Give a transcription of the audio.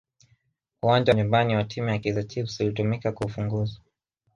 uwanja wa nyumbani wa timu ya kaizer chiefs ulitumika kwa ufunguzi